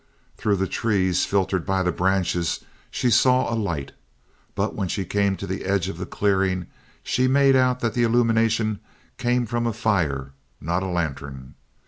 Through the trees, filtered by the branches, she saw a light. But when she came to the edge of the clearing she made out that the illumination came from a fire, not a lantern.